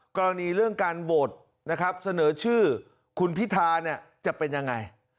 กรณีเรื่องการโหวตนะครับเสนอชื่อคุณพิธาเนี่ยจะเป็นยังไง